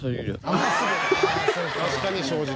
確かに正直。